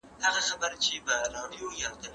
د ملکیار د شعر مضمون له نورو شاعرانو سره توپیر لري.